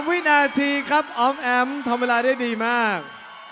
วินาทีครับออมแอมทำเวลาได้ดีมาก